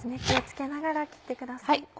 気を付けながら切ってください。